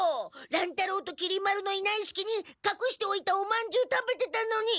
乱太郎ときり丸のいないすきにかくしておいたおまんじゅう食べてたのに！